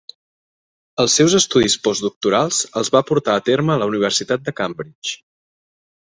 Els seus estudis postdoctorals els va portar a terme a la Universitat de Cambridge.